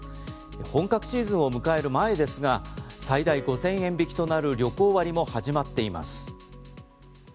本格シーズンを迎える前ですが最大５０００円引きとなる旅行割も始まっています。